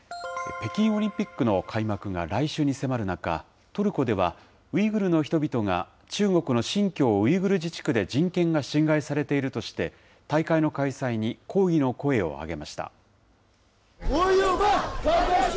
北京オリンピックの開幕が来週に迫る中、トルコでは、ウイグルの人々が、中国の新疆ウイグル自治区で人権が侵害されているとして、大会の開催に抗議の声を上げました。